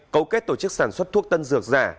cấu kết tổ chức sản xuất thuốc tân dược giả